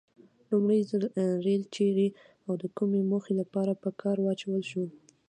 لومړي ځل ریل چیري او د کومې موخې لپاره په کار واچول شو؟